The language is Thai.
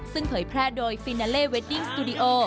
ซึ่งเผยแพร่โดยฟินาเลเวดดิ้งสตูดิโอ